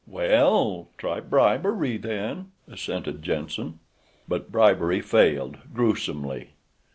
"Well, try bribery, then," assented Jenssen. But bribery failed—grewsomely.